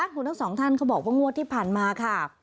คุณทั้งสองท่านเขาบอกว่างวดที่ผ่านมาค่ะ